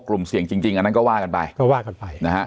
กลุ่มเสี่ยงจริงอันนั้นก็ว่ากันไปก็ว่ากันไปนะฮะ